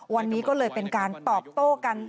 วันนี้ก็เลยเป็นการตอบโต้กัน